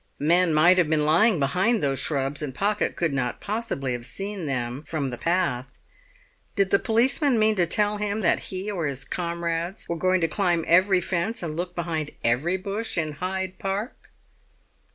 Men might have been lying behind those shrubs, and Pocket could not possibly have seen them from the path. Did the policeman mean to tell him that he or his comrades were going to climb every fence and look behind every bush in Hyde Park?